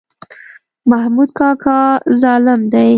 محمود کاکا ظالم دی.